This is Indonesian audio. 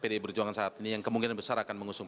pdi perjuangan saat ini yang kemungkinan besar akan mengusung